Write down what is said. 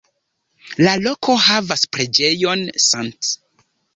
La loko havas preĝejon „St.